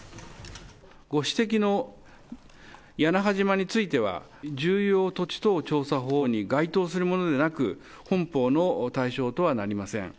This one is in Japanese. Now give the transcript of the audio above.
ご指摘の屋那覇島については、重要土地等調査法に該当するものでなく、本法の対象とはなりません。